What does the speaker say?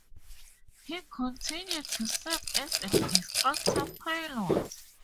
He continued to serve as an instructor pilot.